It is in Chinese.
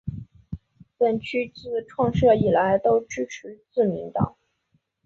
本区自创设以来都支持自民党。